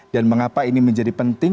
dan mengapa ini menjadi penting